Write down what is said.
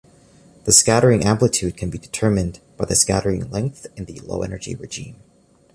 The scattering amplitude can be determined by the scattering length in the low-energy regime.